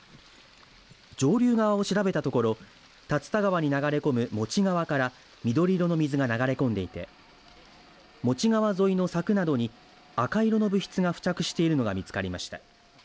上流側を調べたところ竜田川に流れ込むモチ川から緑色の水が流れ込んでいてモチ川沿いの柵などに赤色の物質が付着しているのが見つかりました。